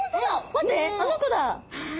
待ってあの子だ！